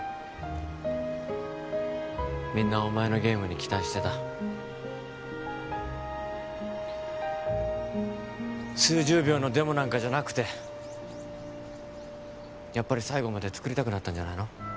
みんなお前のゲームに期待してた数十秒のデモなんかじゃなくてやっぱり最後まで作りたくなったんじゃないの？